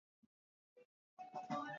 vya kutosha vyakula vyenye asili ya wanyama